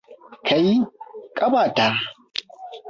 Kai! Ƙafa ta!